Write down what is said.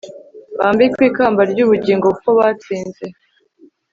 bambikwe ikamba ry'ubugingo kuko batsinze